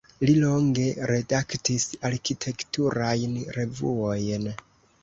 Li longe redaktis arkitekturajn revuojn.